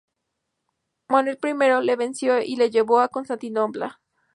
Manuel I le venció y le llevó a Constantinopla.